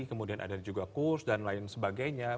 kemudian ada juga kurs dan lain sebagainya